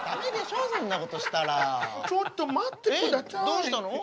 どうしたの？